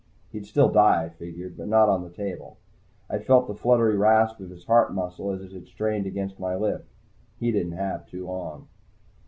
He'd still die, I figured, but not on the table. I'd felt the fluttery rasp of his heart muscle as it had strained against my lift. He didn't have too long.